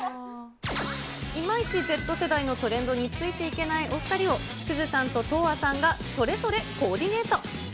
いまいちＺ世代のトレンドについていけないお２人を、すずさんととうあさんがそれぞれコーディネート。